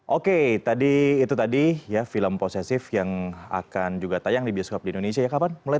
oke tadi itu tadi ya film posesif yang akan juga tayang di bioskop di indonesia ya kapan mulai